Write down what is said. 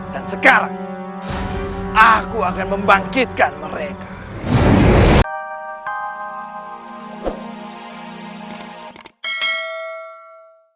dan sekarang aku akan membangkitkan mereka